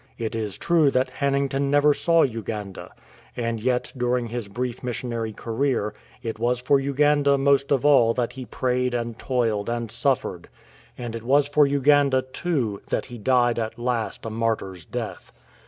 It is true that Hannington never saw Uganda. And yet during his brief missionary career it was for Uganda most of all that he prayed and toiled and suITered, and it was 117 "MAD JIM" for Uganda, too, that he died at last a martyr's death.